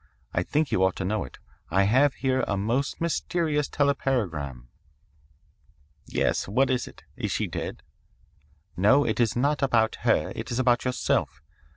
I think you ought to know it. I have here a most mysterious telepagram.' "'Yes. What is it? Is she dead?' "'No, it is not about her. It is about yourself.